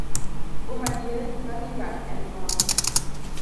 Kuom adier, bang' ywak en mor.